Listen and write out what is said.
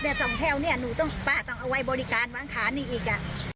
แต่ส่องแท้วเนี่ยป้าต้องเอาไว้บริการวางขานี่อีก